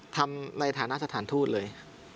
ทำในฐานะสถานทูตเลย